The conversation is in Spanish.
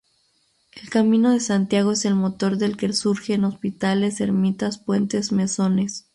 El Camino de Santiago es el motor del que surgen hospitales, ermitas, puentes, mesones.